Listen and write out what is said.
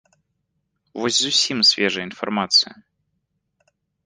Вось зусім свежая інфармацыя.